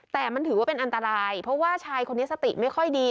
แต่มันถือว่าเป็นอันตรายเพราะว่าชายคนนี้สติไม่ค่อยดี